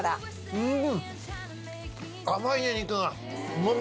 うん！